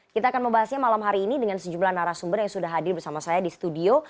kita akan membahasnya malam hari ini dengan sejumlah narasumber yang sudah hadir bersama saya di studio